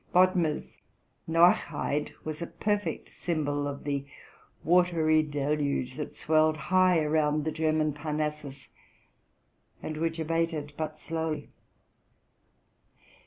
Bod mer's Noachide'' was a perfect symbol of the watery deluge that swelled high around the German Parnassus, and which abated but slowly.